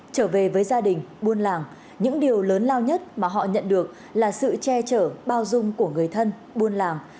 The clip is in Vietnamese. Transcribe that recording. trở về với gia đình buôn làng những điều lớn lao nhất mà họ nhận được là sự che chở bao dung của người thân buôn làng